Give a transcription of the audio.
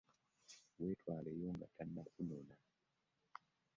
Weetwaleyo nga tannaba kukunona.